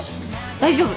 大丈夫。